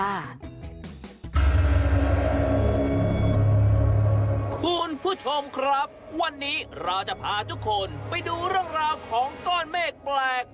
คุณผู้ชมครับวันนี้เราจะพาทุกคนไปดูเรื่องราวของก้อนเมฆแปลก